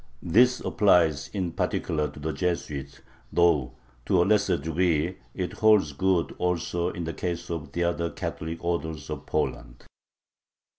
This applies, in particular, to the Jesuits, though, to a lesser degree, it holds good also in the case of the other Catholic orders of Poland.